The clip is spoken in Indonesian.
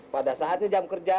pada saat ini jam kerja